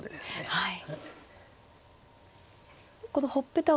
はい。